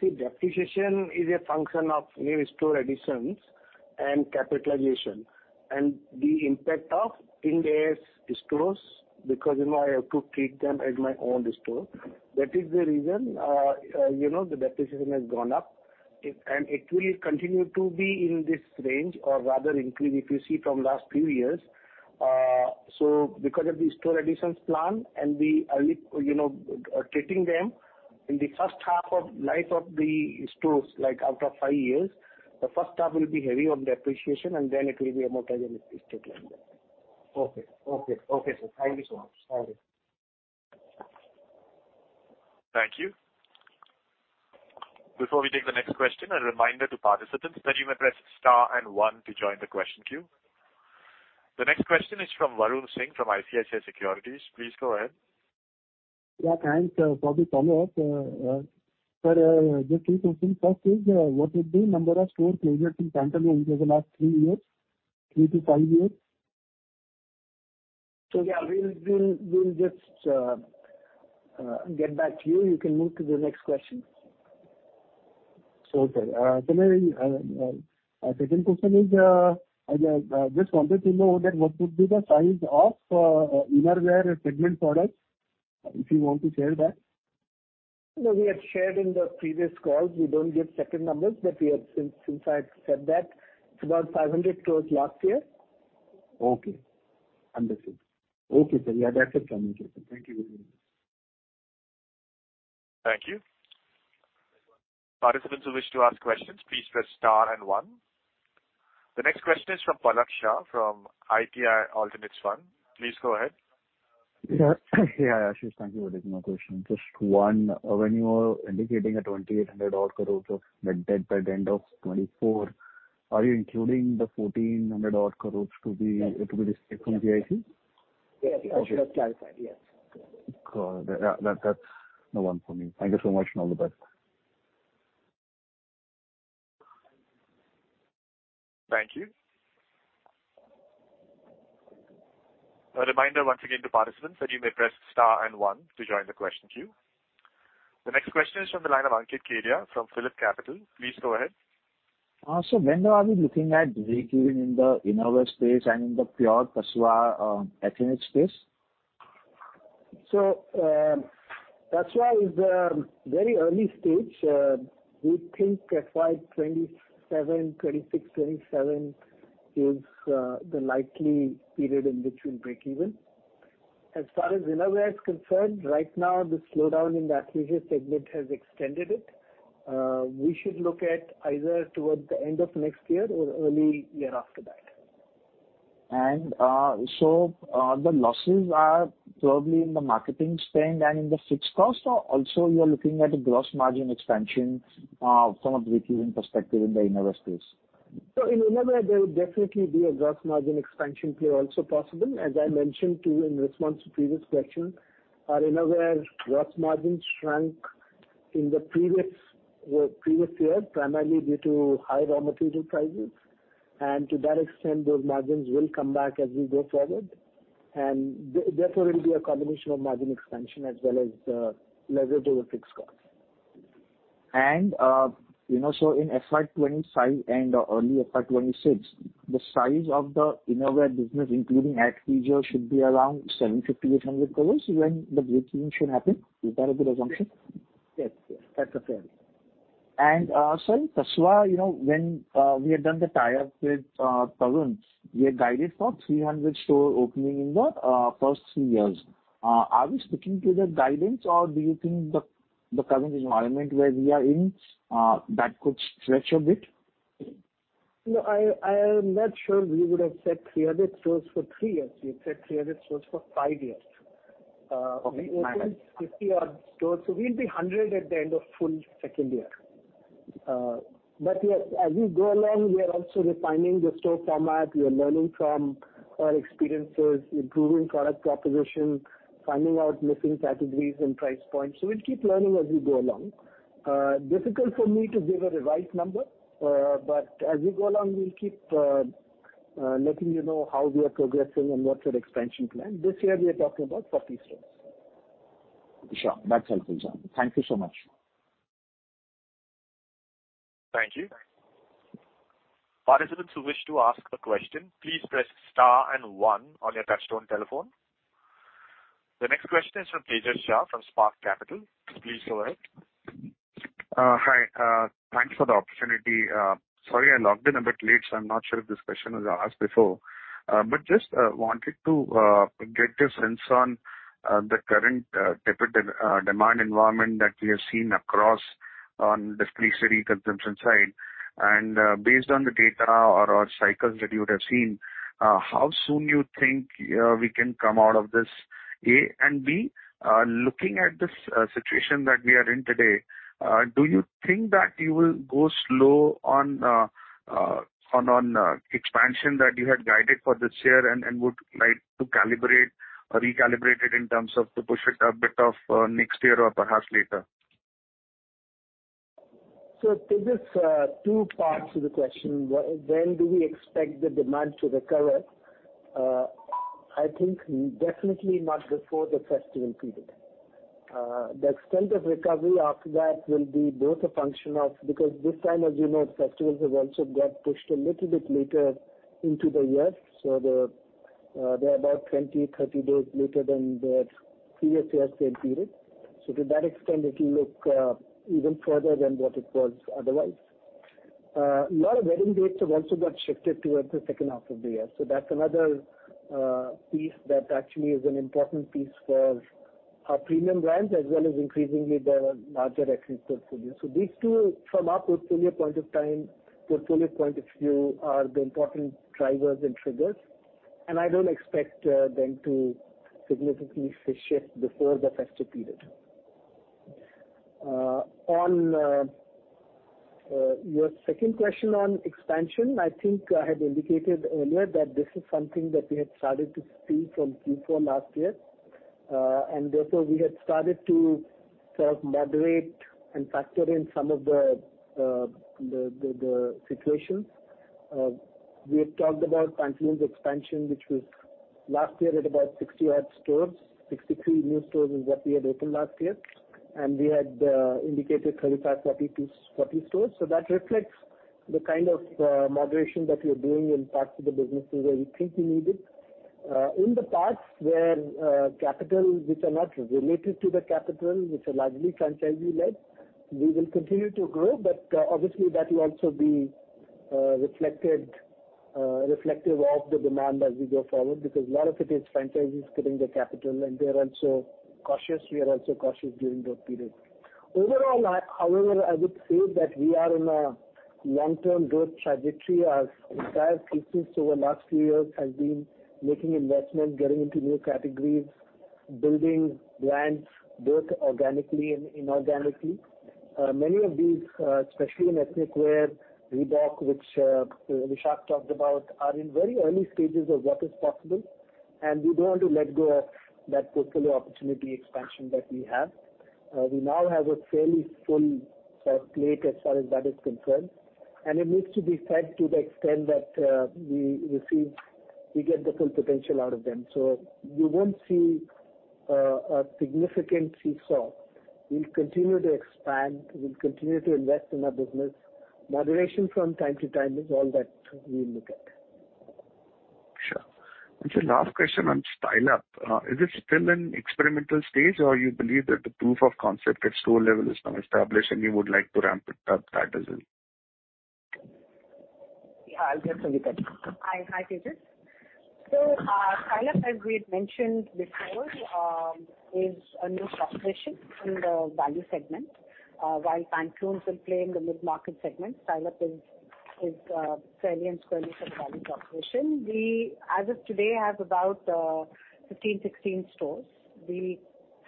See, depreciation is a function of new store additions and capitalization, and the impact of India's stores, because, you know, I have to treat them as my own store. That is the reason, you know, the depreciation has gone up. It and it will continue to be in this range or rather increase, if you see from last few years. So because of the store additions plan and the early, you know, treating them in the first half of life of the stores, like after five years, the first half will be heavy on depreciation, and then it will be a more steady state like that. Okay. Okay. Okay, sir. Thank you so much. Thank you. Thank you. Before we take the next question, a reminder to participants that you may press star and one to join the question queue. The next question is from Varun Singh, from ICICI Securities. Please go ahead. Yeah, thanks. Probably follow up. sir, just 2 questions. First is, what would be number of store openings in Pantaloons over the last 3 years, 3-5 years? Yeah, we'll, we'll, we'll just get back to you. You can move to the next question. Okay. My second question is, I just wanted to know that what would be the size of innerwear segment products, if you want to share that? No, we had shared in the previous calls. We don't give second numbers, but we have since, since I've said that, it's about 500 crore last year. Okay, understood. Okay, sir. Yeah, that's it from me. Thank you very much. Thank you. Participants who wish to ask questions, please press star and one. The next question is from Palak Shah, from ITI Alternates Fund. Please go ahead. Ashish, thank you for taking my question. Just one, when you are indicating 2,800 odd crore of net debt by the end of 2024, are you including 1,400 odd crore to be from VIC? Yes, I should have clarified. Yes. Got it. Yeah, that, that's the one for me. Thank you so much, and all the best. Thank you. A reminder once again to participants that you may press star and 1 to join the question queue. The next question is from the line of Ankit Kedia, from PhillipCapital. Please go ahead. When are we looking at breakeven in the innerwear space and in the pure Pachwa, athleisure space? Pachwa is a very early stage. We think FY 2027, 2026, 2027 is the likely period in which we'll break even. As far as innerwear is concerned, right now, the slowdown in the athleisure segment has extended it. We should look at either towards the end of next year or early year after that. The losses are probably in the marketing spend and in the fixed cost, or also you are looking at a gross margin expansion from a breakeven perspective in the innerwear space? In innerwear, there will definitely be a gross margin expansion play also possible. As I mentioned to you in response to previous question, our innerwear gross margins shrank in the previous year, primarily due to high raw material prices, and to that extent, those margins will come back as we go forward. Therefore, it will be a combination of margin expansion as well as leverage over fixed cost. You know, in FY 2025 and early FY 2026, the size of the innerwear business, including athleisure, should be around 750-800 crore when the breakeven should happen? Is that a good assumption? Yes. Yes, that's okay. ...sorry, Kashua, you know, when we had done the tie-up with Tarun, we had guided for 300 store opening in the first 3 years. Are we sticking to the guidance, or do you think the current environment where we are in, that could stretch a bit? No, I, I am not sure we would have said 300 stores for 3 years. We had said 300 stores for 5 years. Okay. We opened 50 odd stores, so we'll be 100 at the end of full second year. Yes, as we go along, we are also refining the store format. We are learning from our experiences, improving product proposition, finding out missing categories and price points. We'll keep learning as we go along. Difficult for me to give a revised number, as we go along, we'll keep, letting you know how we are progressing and what's our expansion plan. This year we are talking about 40 stores. Sure. That's helpful, sir. Thank you so much. Thank you. Participants who wish to ask a question, please press star and one on your touchtone telephone. The next question is from Tejas Shah from Spark Capital. Please go ahead. Hi. Thanks for the opportunity. Sorry, I logged in a bit late, so I'm not sure if this question was asked before. But just wanted to get your sense on the current demand environment that we have seen across on discretionary consumption side. Based on the data or, or cycles that you would have seen, how soon you think we can come out of this, A? B, looking at this situation that we are in today, do you think that you will go slow on on on expansion that you had guided for this year and, and would like to calibrate or recalibrate it in terms of to push it a bit of next year or perhaps later? Tejas, two parts to the question. When do we expect the demand to recover? I think definitely not before the festival period. The extent of recovery after that will be both a function of... Because this time, as you know, festivals have also got pushed a little bit later into the year, so they're, they're about 20, 30 days later than the previous year same period. To that extent, it will look, even further than what it was otherwise. A lot of wedding dates have also got shifted towards the second half of the year, so that's another piece that actually is an important piece for our premium brands, as well as increasingly the larger ethnic portfolio. These two, from our portfolio point of time, portfolio point of view, are the important drivers and triggers, and I don't expect them to significantly shift before the festive period. On your second question on expansion, I think I had indicated earlier that this is something that we had started to see from Q4 last year. Therefore, we had started to sort of moderate and factor in some of the situations. We had talked about Pantaloons expansion, which was last year at about 60 odd stores. 63 new stores is what we had opened last year, and we had indicated 35, 40 to 40 stores. That reflects the kind of moderation that we are doing in parts of the businesses where we think we need it. In the parts where capital, which are not related to the capital, which are largely franchisee-led, we will continue to grow, but obviously, that will also be reflected, reflective of the demand as we go forward, because a lot of it is franchisees putting the capital and they're also cautious. We are also cautious during those periods. Overall, however, I would say that we are in a long-term growth trajectory. Our entire business over the last few years has been making investments, getting into new categories, building brands both organically and inorganically. Many of these, especially in ethnic wear, Reebok, which Vishal talked about, are in very early stages of what is possible, and we don't want to let go of that portfolio opportunity expansion that we have. We now have a fairly full sort of plate as far as that is concerned. It needs to be fed to the extent that we get the full potential out of them. You won't see a significant seesaw. We'll continue to expand, we'll continue to invest in our business. Moderation from time to time is all that we look at. Sure. Last question on Style Up. Is it still in experimental stage, or you believe that the proof of concept at store level is now established, and you would like to ramp it up that as well? Yeah, I'll get Sangeeta. Hi, hi, Tejas. Style Up, as we had mentioned before, is a new proposition in the value segment. While Pantaloons will play in the mid-market segment, Style Up is, is, fairly and squarely for the value proposition. We, as of today, have about 15, 16 stores. We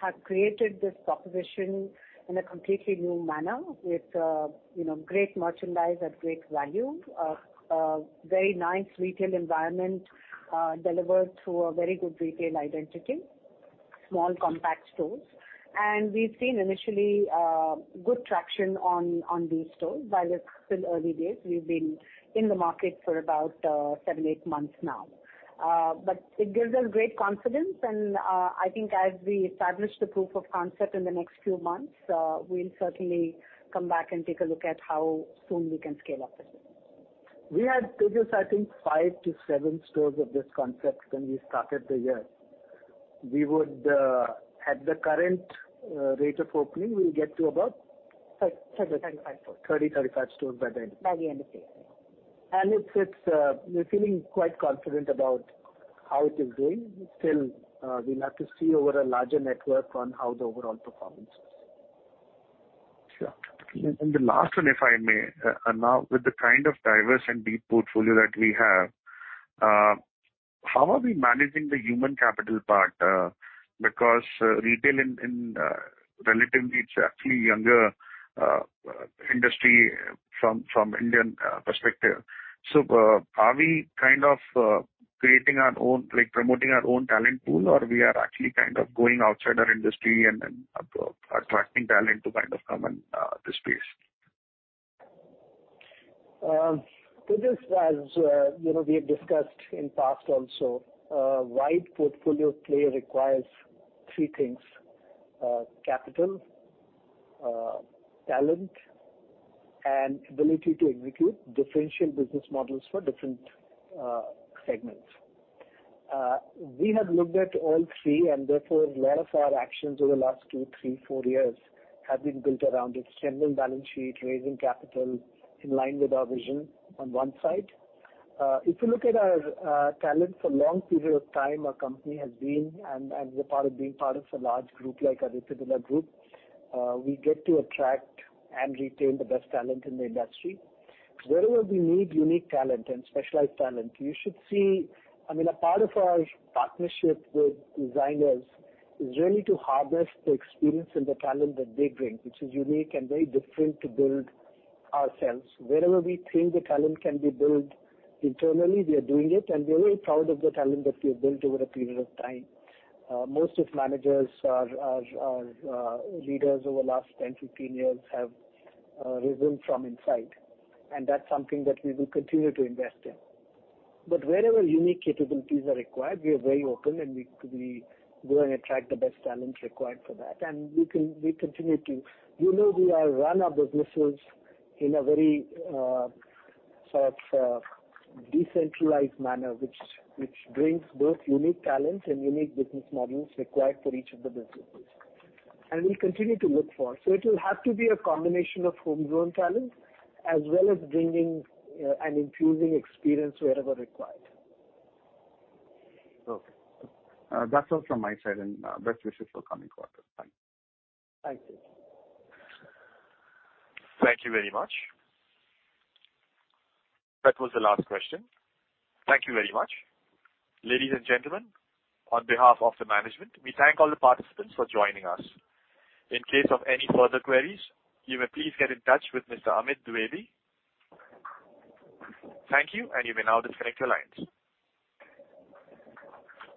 have created this proposition in a completely new manner, with, you know, great merchandise at great value. A very nice retail environment, delivered through a very good retail identity, small, compact stores. We've seen initially good traction on, on these stores, but it's still early days. We've been in the market for about 7, 8 months now. It gives us great confidence, and I think as we establish the proof of concept in the next few months, we'll certainly come back and take a look at how soon we can scale up the business. We had, Tejas, I think 5-7 stores of this concept when we started the year, we would, at the current rate of opening, we'll get to about? 30-35 stores. 30-35 stores by the end. By the end of the year. It's, it's, we're feeling quite confident about how it is doing. Still, we'll have to see over a larger network on how the overall performance is. Sure. The last one, if I may, now with the kind of diverse and deep portfolio that we have, how are we managing the human capital part? Because retail in, in, relatively, it's actually younger, industry from, from Indian, perspective. Are we kind of, creating our own, like, promoting our own talent pool, or we are actually kind of going outside our industry and then attracting talent to kind of come in, this space? This as, you know, we have discussed in past also, a wide portfolio play requires 3 things: capital, talent, and ability to execute differential business models for different segments. We have looked at all 3, and therefore, a lot of our actions over the last 2, 3, 4 years have been built around a stronger balance sheet, raising capital in line with our vision on one side. If you look at our talent, for a long period of time, our company has been and, and the part of being part of a large group like Aditya Birla Group, we get to attract and retain the best talent in the industry. Wherever we need unique talent and specialized talent, you should see... I mean, a part of our partnership with designers is really to harvest the experience and the talent that they bring, which is unique and very different to build ourselves. Wherever we think the talent can be built internally, we are doing it, and we're very proud of the talent that we have built over a period of time. Most of managers are leaders over the last 10, 15 years have risen from inside, and that's something that we will continue to invest in. Wherever unique capabilities are required, we are very open, and we, we go and attract the best talents required for that, and we continue to. You know, we run our businesses in a very sort of decentralized manner, which brings both unique talents and unique business models required for each of the businesses. We'll continue to look for. It will have to be a combination of homegrown talent as well as bringing and infusing experience wherever required. Okay. That's all from my side, and best wishes for coming quarter. Bye. Thank you. Thank you very much. That was the last question. Thank you very much. Ladies and gentlemen, on behalf of the management, we thank all the participants for joining us. In case of any further queries, you may please get in touch with Mr. Amit Dubey. Thank you, and you may now disconnect your lines.